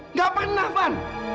nggak pernah van